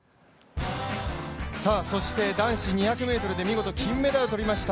そして男子２００ｍで見事金メダル取りました